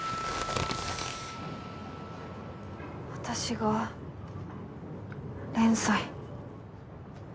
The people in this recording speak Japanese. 私が連載。